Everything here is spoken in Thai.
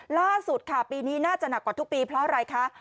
ล่าสุดค่ะปีนี้น่าจะหนักกว่าทุกปีเพราะอะไรคะ